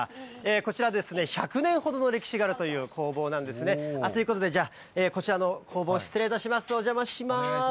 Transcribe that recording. こちらですね、１００年ほどの歴史があるという工房なんですね。ということで、じゃあ、こちらの工房、失礼いたします、お邪魔します。